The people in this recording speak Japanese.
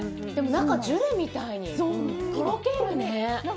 中がジュレみたいにとろけるね。